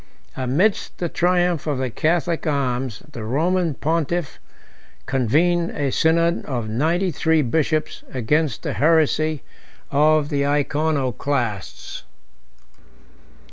Amidst the triumph of the Catholic arms, the Roman pontiff convened a synod of ninety three bishops against the heresy of the Iconoclasts.